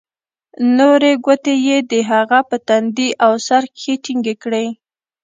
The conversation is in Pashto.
نورې گوتې يې د هغه په تندي او سر کښې ټينگې کړې.